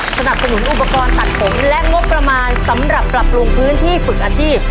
สนับสนุนอุปกรณ์ตัดผมและงบประมาณสำหรับปรับปรุงพื้นที่ฝึกอาชีพ